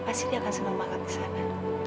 pasti dia akan senang banget kesana